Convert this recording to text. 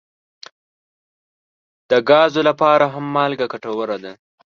د ګازو لپاره هم مالګه ګټوره ده.